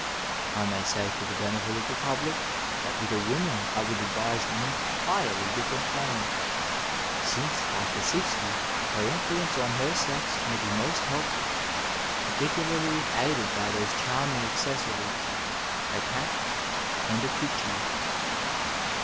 (I may say for the benefit of the public that with a woman I woidd advise an entirely different plan, since, after sixty her influence on her sex may be most helpful, particularly if aided by those charm ing accessories, a cap and a fichu.)